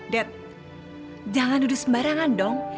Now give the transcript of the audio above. dad jangan nuduh sembarangan dong